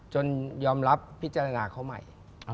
ยอมรับพิจารณาเขาใหม่